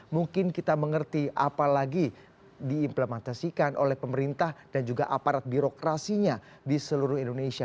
mungkin kita mengerti apa lagi diimplementasikan oleh pemerintah dan juga aparat birokrasinya di seluruh indonesia